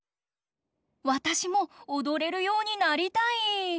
わたしもおどれるようになりたい！